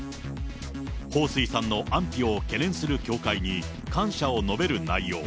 彭帥さんの安否を懸念する協会に、感謝を述べる内容。